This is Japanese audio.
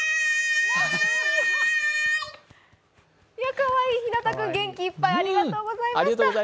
かわいい、ひなた君、元気いっぱいありがとうございました。